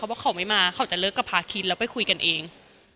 บอกเขาไม่มาเขาจะเลิกกับพาคินแล้วไปคุยกันเอง